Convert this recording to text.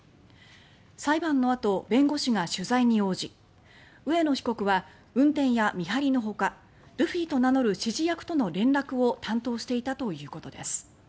裁判のあと、弁護士が取材に応じ上野被告は運転や見張りのほかルフィと名乗る指示役との連絡を担当していたということです。